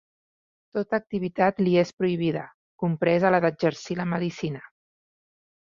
Tota activitat li és prohibida, compresa la d'exercir la medicina.